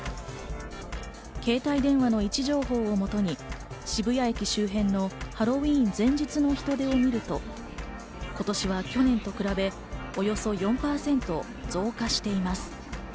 携帯電話の位置情報をもとに渋谷駅周辺のハロウィーン前日の人出を見ると、今年は去年と比べ、およそ４％増加しています。